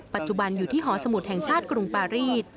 ปัจจุบันอยู่ที่หอสมุทรแห่งชาติกรุงปารีส